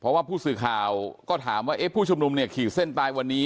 เพราะว่าผู้สื่อข่าวก็ถามว่าเอ๊ะผู้ชุมนุมเนี่ยขีดเส้นตายวันนี้